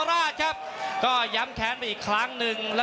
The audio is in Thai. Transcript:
รอคะแนนจากอาจารย์สมาร์ทจันทร์คล้อยสักครู่หนึ่งนะครับ